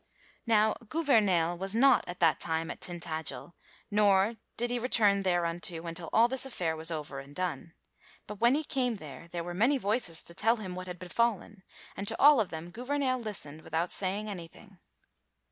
Now Gouvernail was not at that time at Tintagel, nor did he return thereunto until all this affair was over and done. But when he came there, there were many voices to tell him what had befallen, and to all of them Gouvernail listened without saying anything.